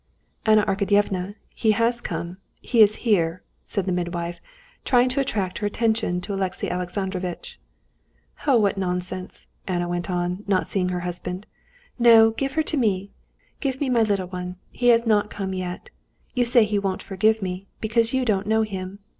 "Anna Arkadyevna, he has come. Here he is!" said the midwife, trying to attract her attention to Alexey Alexandrovitch. "Oh, what nonsense!" Anna went on, not seeing her husband. "No, give her to me; give me my little one! He has not come yet. You say he won't forgive me, because you don't know him.